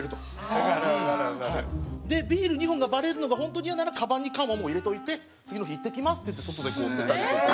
わかるわかるわかる。でビール２本がバレるのが本当にイヤならかばんに缶は入れといて次の日「いってきます」っていって外でこう捨てたりとか。